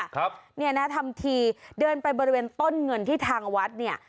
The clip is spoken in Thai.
ครับเนี่ยนะทำทีเดินไปบริเวณต้นเงินที่ทางวัดเนี่ย